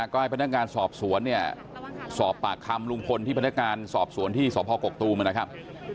ก็ให้พนักงานสอบสวนเนี่ยสอบปากคำลุงพลที่พนักงานสอบสวนที่สพกกตูมนะครับ